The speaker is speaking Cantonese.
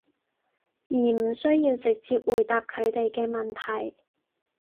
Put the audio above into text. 而唔需要直接回答佢哋嘅問題